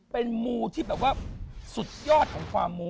เป็นมูที่แบบว่าสุดยอดของความมู